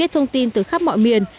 biết thêm nhiều thông tin từ khắp mọi miền